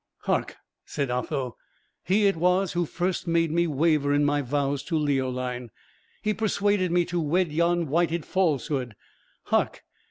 "Hark!" said Otho. "He it was who first made me waver in my vows to Leoline; he persuaded me to wed yon whited falsehood. Hark!